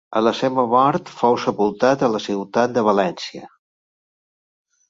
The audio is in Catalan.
A la seva mort fou sepultat a la ciutat de València.